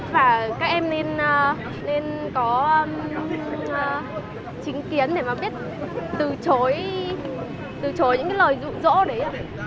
và các em nên có chính kiến để mà biết từ chối những lời dụ dỗ đấy ạ